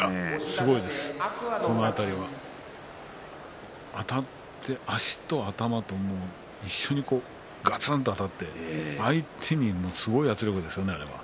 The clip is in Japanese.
すごいですよ、このあたりは。あたって足と頭と一緒にガツンとあたって相手にもすごい圧力ですよね。